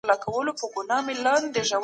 سیاست په ټولنه کي یوه هڅه وه.